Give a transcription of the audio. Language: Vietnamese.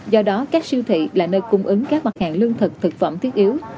do đó các siêu thị là nơi cung ứng các mặt hàng lương thực thực phẩm thiết yếu